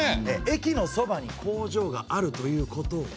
駅のそばに工場があるということは。